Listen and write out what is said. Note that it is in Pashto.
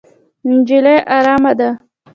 نجلۍ ارامه ده.